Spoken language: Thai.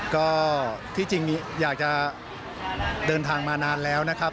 ก็ที่จริงอยากจะเดินทางมานานแล้วนะครับ